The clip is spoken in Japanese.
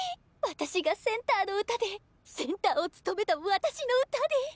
私がセンターの歌でセンターを務めた私の歌で！